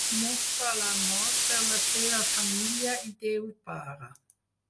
Mostra l'amor per la seva família i Déu Pare.